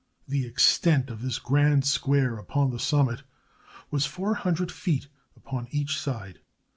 The extent of this grand square upon the summit was four hundred feet upon each side.